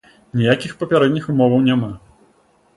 Ніякіх папярэдніх умоваў няма.